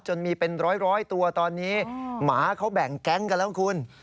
จนมีเป็นร้อยตัวตอนนี้หมาเขาแบ่งแก๊งกันแล้วคุณ